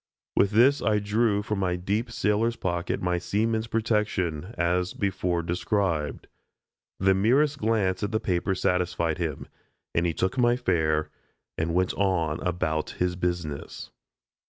With this I drew from my deep sailor's pocket my seaman's protection, as before described. The merest glance at the paper satisfied him, and he took my fare and went on about his business.